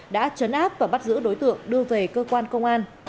đã trấn áp và bắt giữ đối tượng đưa về cơ quan công an